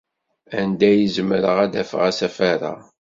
Anda ay zemreɣ ad afeɣ asafar-a?